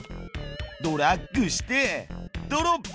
ドラッグしてドロップ。